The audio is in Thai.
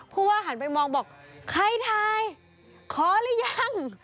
เพราะว่าหันไปมองบอกใครทายขอหรือยัง